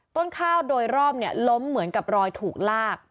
ต้นข้าวโดยรอบล้มเหมือนกับรอยถูกลาก